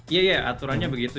iya iya aturannya begitu